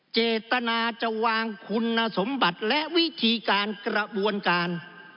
เจตนาจะวางคุณสมบัติและวิธีการกระบวนการ